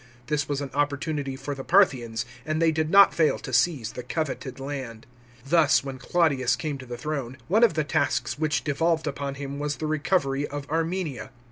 This was an opportunity for the Parthians, and they did not fail to seize the coveted land. Thus, when Claudius came to the throne, one of the tasks which devolved upon him was the recovery of Armenia.